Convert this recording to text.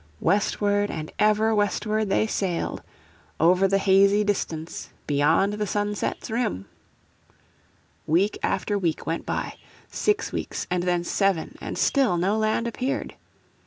Westward and ever westward they sailed, "Over the hazy distance, Beyond the sunset's rim" Week after week went by. Six weeks and then seven, and still no land appeared.